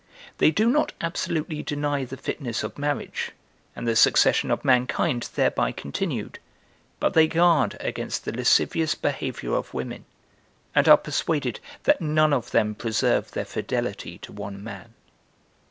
They do not absolutely deny the fitness of marriage, and the succession of mankind thereby continued; but they guard against the lascivious behavior of women, and are persuaded that none of them preserve their fidelity to one man.